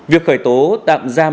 việc khởi tố tạm giam